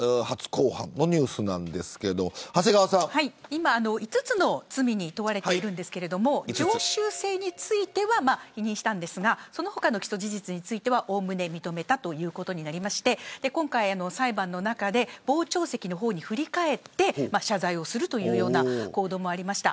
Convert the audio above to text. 今５つの罪に問われていますが常習性については否認したんですがその他の起訴事実についてはおおむね認めたということで今回裁判の中で傍聴席の方に振り返って謝罪するというような行動もありました。